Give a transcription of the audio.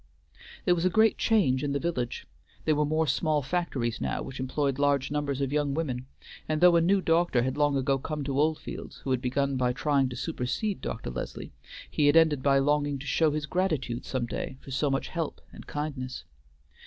There was a great change in the village; there were more small factories now which employed large numbers of young women, and though a new doctor had long ago come to Oldfields who had begun by trying to supersede Dr. Leslie, he had ended by longing to show his gratitude some day for so much help and kindness.